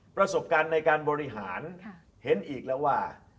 ประสบการณ์ในการบริหารเห็นอีกแล้วว่า